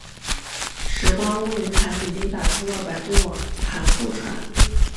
拾光坞云盘已经打通了百度网盘互传